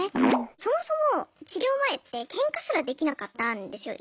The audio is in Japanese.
そもそも治療前ってケンカすらできなかったんですよ。